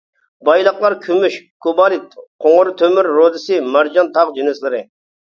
بايلىقلار كۈمۈش، كوبالت، قوڭۇر تۆمۈر رۇدىسى، مارجان تاغ جىنسلىرى.